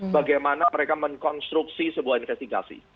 bagaimana mereka mengkonstruksi sebuah investigasi